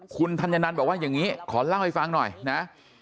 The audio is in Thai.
คุณธัญนันบอกว่าอย่างนี้ขอเล่าให้ฟังหน่อยนะ